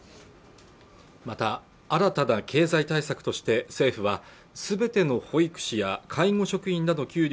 また新たな経済対策として政府はすべての保育士や介護職員らの給料